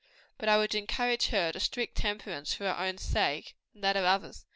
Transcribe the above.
But I would encourage her to strict temperance for her own sake, and that of others.